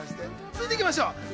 続いていきましょう。